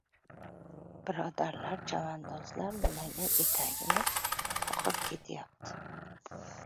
Birodarlar, chavandozlar nimaga etagini qoqib ketayapti?